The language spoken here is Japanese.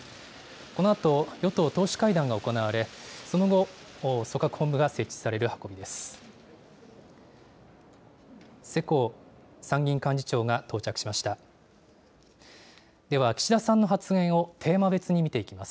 このあと、与党党首会談が行われ、その後、組閣本部が設置される運びです。